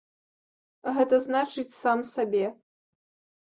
Гэта значыць, сам сабе.